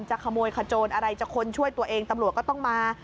จะขโมยขโจรอะไรจะคนช่วยตัวเองตำรวจก็ต้องมา